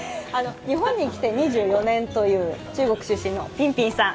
日本に来て２４年という中国出身のピンピンさん